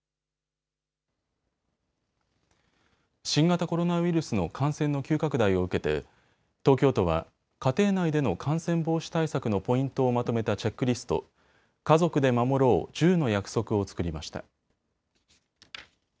新型コロナウイルスの感染の急拡大を受けて東京都は家庭内での感染防止対策のポイントをまとめたチェックリスト、家族で守ろう１０の約束を作りました。